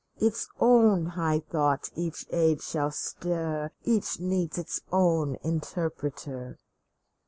Its own high thought each age shall stir, Each needs its own interpreter